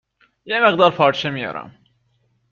یه مقدار پارچه میارم